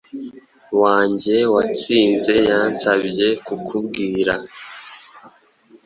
wanjye watsinze yansabye kukubwira